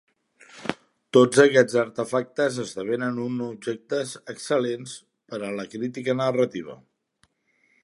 Tots aquests artefactes esdevenen un objectes excel·lents per a la crítica narrativa.